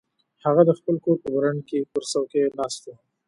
هغه د خپل کور په برنډه کې پر څوکۍ ناست و.